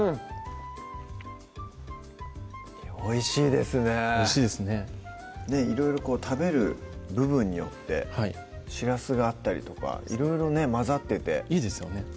おいしいですねおいしいですねいろいろ食べる部分によってしらすがあったりとかいろいろね混ざってていいですよね